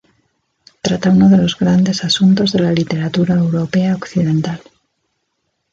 Trata uno de los grandes asuntos de la literatura europea occidental.